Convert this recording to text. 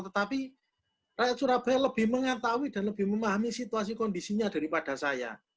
tetapi rakyat surabaya lebih mengetahui dan lebih memahami situasi kondisinya daripada saya